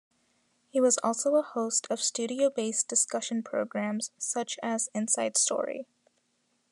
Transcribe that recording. He was also a host of studio-based discussion-programmes, such as Inside Story.